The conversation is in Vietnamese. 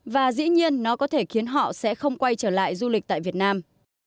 và dĩ nhiên nó có thể khiến họ sẽ không quay trở lại du lịch tại việt nam